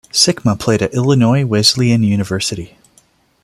Sikma played at Illinois Wesleyan University.